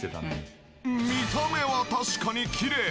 見た目は確かにきれい。